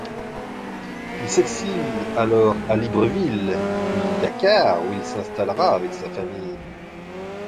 Il s'exile alors à Libreville puis Dakar où il s'installera avec sa famille.